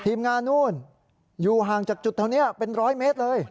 ทีมงานนู่นอยู่ห่างจากจุดเท่านี้เป็นร้อยเมตรเลย